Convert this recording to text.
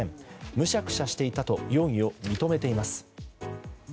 むしゃくしゃしていたと容疑を認めています。